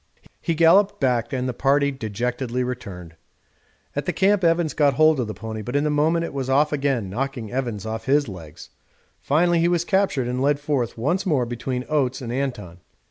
He galloped back and the party dejectedly returned. At the camp Evans got hold of the pony, but in a moment it was off again, knocking Evans off his legs. Finally he was captured and led forth once more between Oates and Anton.